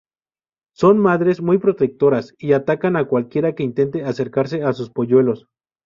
Son madres muy protectoras y atacan a cualquiera que intente acercarse a sus polluelos.